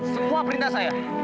semua perintah saya